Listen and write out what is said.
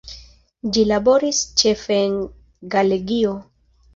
Ĝi laboris ĉefe en Galegio.